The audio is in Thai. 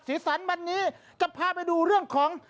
สันวันนี้จะพาไปดูเรื่องของ